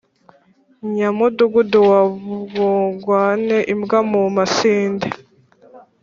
nyamudugudu wa bwungwane-imbwa mu masinde.